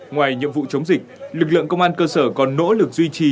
ngoài nhiệm vụ chống dịch lực lượng công an cơ sở còn nỗ lực duy trì